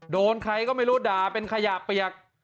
โดนใครก็ไม่รู้ด่าเป็นขยะเปียก